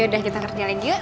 yaudah kita kerja lagi yuk